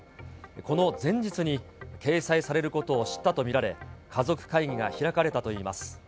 この前日に、掲載されることを知ったと見られ、家族会議が開かれたといいます。